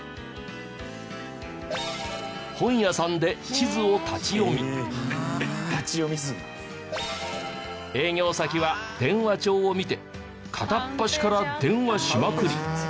本屋さんで営業先は電話帳を見て片っ端から電話しまくり！